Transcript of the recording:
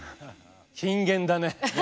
金言だね。